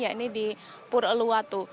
yaitu di pur'eluatu